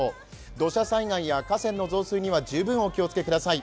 土砂災害や河川の災害には十分にお気をつけください。